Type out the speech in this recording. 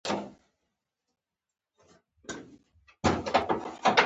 فکري ازادي د درمل پیل دی.